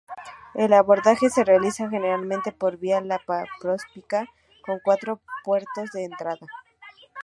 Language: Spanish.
El abordaje se realiza generalmente por vía laparoscópica, con cuatro puertos de entrada.